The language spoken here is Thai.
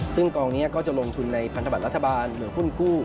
ซึ่งกองนี้ก็จะลงทุนในพันธบัตรรัฐบาลหรือหุ้นกู้